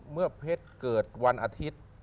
เมื่อเพชรเกิดวันอาทิตย์